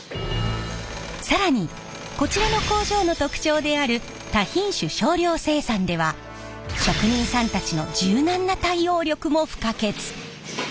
更にこちらの工場の特徴である多品種少量生産では職人さんたちの柔軟な対応力も不可欠。